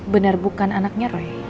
benar bukan anaknya roy